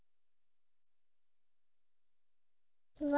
うわ。